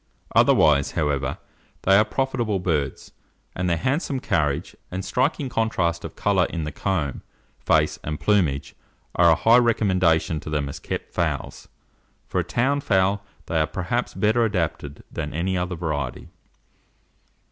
Otherwise, however, they are profitable birds, and their handsome carriage, and striking contrast of colour in the comb, face, and plumage, are a high recommendation to them as kept fowls. For a town fowl, they are perhaps better adapted than any other variety.